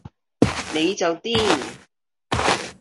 你就癲